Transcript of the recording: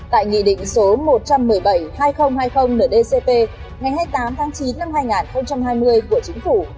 tại nghị định số một trăm một mươi bảy hai nghìn hai mươi ndcp ngày hai mươi tám tháng chín năm hai nghìn hai mươi của chính phủ